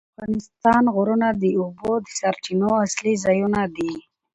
د افغانستان غرونه د اوبو د سرچینو اصلي ځایونه دي.